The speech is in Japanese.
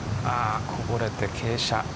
こぼれて傾斜。